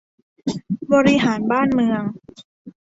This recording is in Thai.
บริหารบ้านเมือง